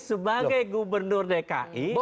sebagai gubernur dki